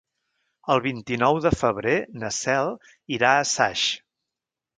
El vint-i-nou de febrer na Cel irà a Saix.